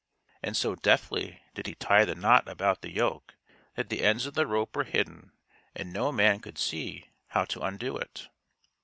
And so deftly did he tie the knot about the yoke that the ends of the rope were hidden and no man could see how to undo it.